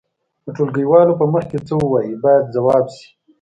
د ټولګيوالو په مخ کې څه ووایئ باید ځواب شي.